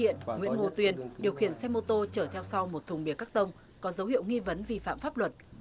nguyễn ngô tuyên điều khiển xe mô tô chở theo sau một thùng bìa cắt tông có dấu hiệu nghi vấn vi phạm pháp luật